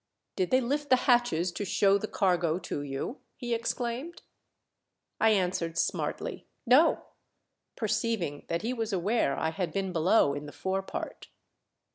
"Did they lift the hatches to show the cargo to you T' he exclaimed. I answered smartly, " No," perceiving that he was aware I had been below in the fore part.